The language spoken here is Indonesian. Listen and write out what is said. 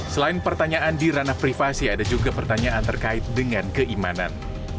selain pertanyaan di ranah privasi ada juga pertanyaan terkait dengan keimanan